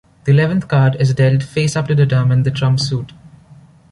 The eleventh card is dealt face up to determine the trump suit.